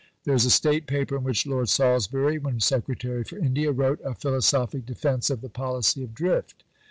There is a State Paper in which Lord Salisbury, when Secretary for India, wrote a Philosophic Defence of the Policy of Drift.